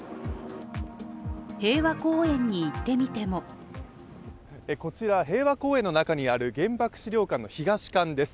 平和公園に行ってみてもこちら、平和公園の中にある原爆資料館の東館です。